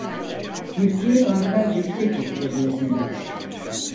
Mülkiye Baytar Yüksekokulu mezunudur.